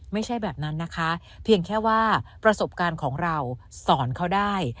ไม่ใช่แบบนั้นนะคะเพียงแค่ว่าประสบการณ์ของเราสอนเขาได้